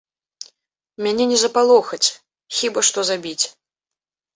Мяне не запалохаць, хіба што забіць.